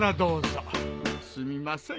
すみません。